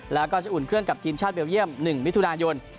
แล้วก็จะอุ่นเครื่องกับทีมชาติเบลเยี่ยม๑มิถุนายน